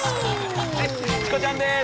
はいチコちゃんです。